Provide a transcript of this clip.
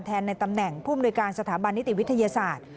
ในตำแหน่งผู้มนุยการสถาบันนิติวิทยาศาสตร์